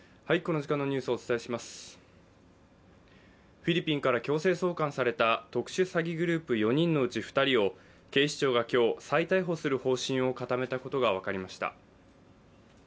フィリピンから強制送還された特殊詐欺グループ４人のうち２人を警視庁が今日再逮捕する方針を固めたことが分かりました。